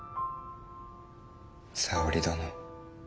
沙織殿。